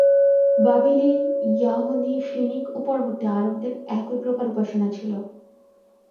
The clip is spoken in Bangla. বাবিলী, য়াহুদী, ফিনিক ও পরবর্তী আরবদের একই প্রকার উপাসনা ছিল।